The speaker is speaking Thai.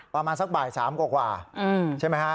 ประมาณสักบ่าย๓กว่าใช่ไหมฮะ